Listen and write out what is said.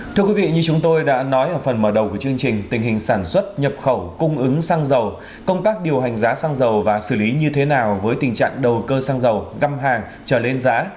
thưa quý vị như chúng tôi đã nói ở phần mở đầu của chương trình tình hình sản xuất nhập khẩu cung ứng sang giàu công tác điều hành giá sang giàu và xử lý như thế nào với tình trạng đầu cơ sang giàu găm hàng trở lên giá